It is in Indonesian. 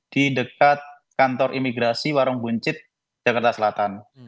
di dekat kantor imigrasi warung buncit jakarta selatan